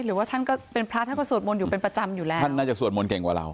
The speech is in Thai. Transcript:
หรือว่าท่านก็เป็นพระท่านก็สวดมนต์อยู่เป็นประจำอยู่แล้วท่านน่าจะสวดมนต์เก่งกว่าเรา